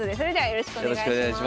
よろしくお願いします。